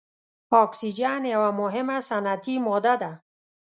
اکسیجن یوه مهمه صنعتي ماده ده.